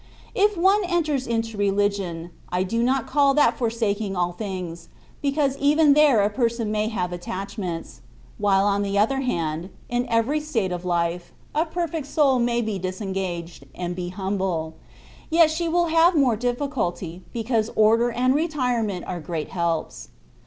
If one enters into reli gion, I do not call that forsaking all things, be cause even there a person may have attachments ; while on the other hand, in every state of life, a perfect soul may be disengaged, and be humble ; yet she will have more difficulty, because order and retirement are great helps.